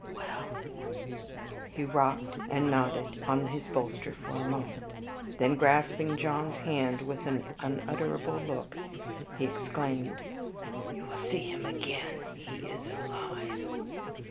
"Well," he rocked and nodded on his bolster for a moment, then, grasping John's hand with an unutterable look, he exclaimed, "You will see him again, he is alive."